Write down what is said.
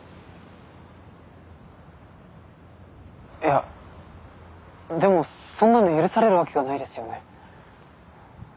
いやでもそんなの許されるわけがないですよね。